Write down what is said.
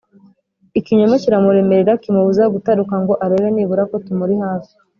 Ikinyoma kiramuremera kimubuza gutaruka ngo arebe nibura ko tumuri hafi